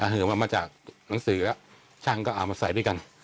เหิมมาจากหนังสือแล้วช่างก็เอามาใส่ด้วยกัน